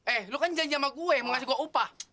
eh lo kan janji sama gue mau ngasih gue upah